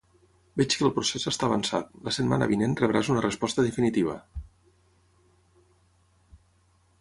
Veig que el procés està avançat, la setmana vinent rebràs una resposta definitiva.